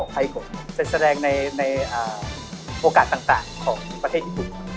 ใช้แสดงในโอกาศต่างของประเทศอินปุ่น